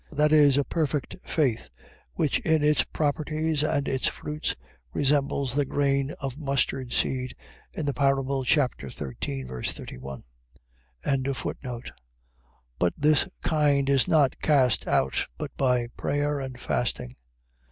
. .That is, a perfect faith; which in its properties, and its fruits, resembles the grain of mustard seed, in the parable, chap. 13. 31. 17:20. But this kind is not cast out but by prayer and fasting.